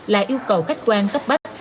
là yêu cầu khách quan cấp bách